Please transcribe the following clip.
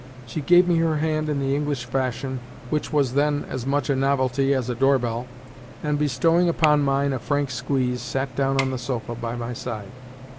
She gave me her hand in the English fashion (which was then as much a novelty as a door bell), and, bestowing upon mine a frank squeeze, sat down on the sofa by my side.